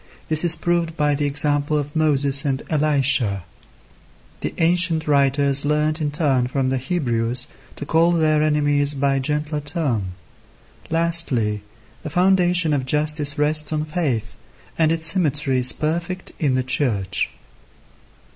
This is proved by the example of Moses and Elisha. The ancient writers learnt in turn from the Hebrews to call their enemies by a gentler term. Lastly, the foundation of justice rests on faith, and its symmetry is perfect in the Church.